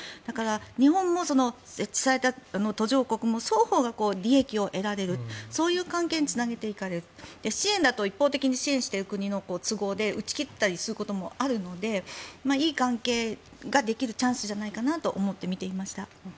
日本も、設置された途上国も双方が利益を得られるそういう関係につなげていける支援だと一方的に支援して国の都合で打ち切ったりすることもあるのでいい関係ができるチャンスじゃないかなと思って見ていました。